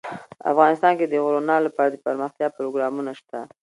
افغانستان کې د غرونه لپاره دپرمختیا پروګرامونه شته.